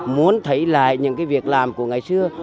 muốn thấy lại những cái việc làm của ngày xưa